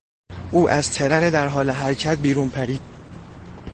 او از ترن در حال حرکت بیرون پرید.